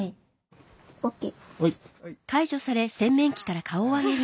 ＯＫ。